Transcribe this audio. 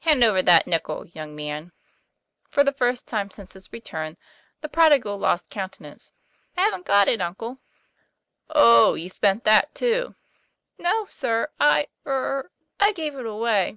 "Hand over that nickel, young man." For the first time since his return, the prodigal lost counte nance. "I haven't got it, uncle." TOM PLA YFAIR. 163 "Oh, you spent that too." "No, sir, I er I gave it away."